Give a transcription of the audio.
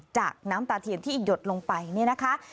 น้ำตาเทียนที่หยดลงไปเนี่ยนะคะ